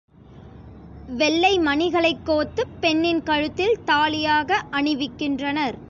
வெள்ளை மணிகளைக் கோத்துப் பெண்ணின் கழுத்தில், தாலியாக அணிவிக்கின்றனர்.